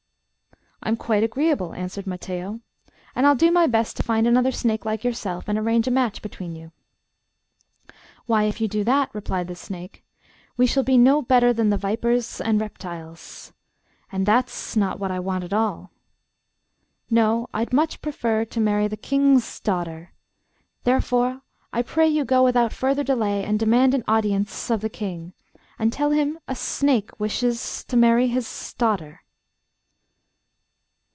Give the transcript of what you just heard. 'I'm quite agreeable,' answered Mattheo, 'and I'll do my best to find another snake like yourself and arrange a match between you.' 'Why, if you do that,' replied the snake, 'we shall be no better than the vipers and reptiles, and that's not what I want at all. No; I'd much prefer to marry the King's daughter; therefore I pray you go without further delay, and demand an audience of the King, and tell him a snake wishes to marry his daughter.